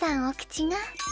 お口が。